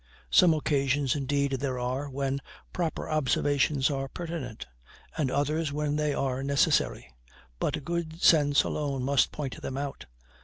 Some occasions, indeed, there are, when proper observations are pertinent, and others when they are necessary; but good sense alone must point them out.